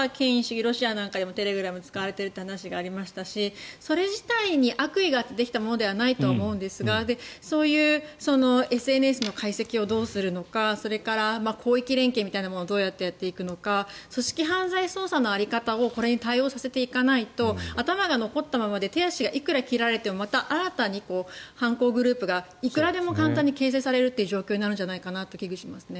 ロシアなんかでもテレグラムが使われているという話がありますしそれ自体に悪意があってできたものではないと思うんですがそういうＳＮＳの解析をどうするのかそれから、広域連携をどうやってやっていくのか組織犯罪捜査の在り方をこれに対応させていかないと頭が残ったままで手足がいくら切られてもまた新たに犯行グループがいくらでも簡単に形成されるという状況になるんじゃないかと危惧されますね。